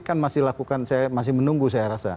kan masih lakukan saya masih menunggu saya rasa